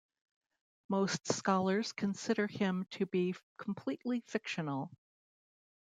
Most scholars consider him to be completely fictional.